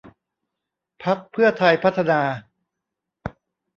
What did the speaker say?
พรรคเพื่อไทยพัฒนา